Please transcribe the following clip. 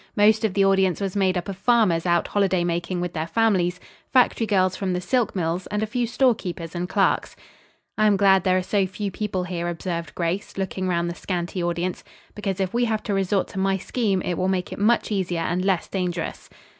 Most of the audience was made up of farmers out holiday making with their families, factory girls from the silk mills and a few storekeepers and clerks. "I am glad there are so few people here," observed Grace, looking around the scanty audience; "because, if we have to resort to my scheme, it will make it much easier and less dangerous."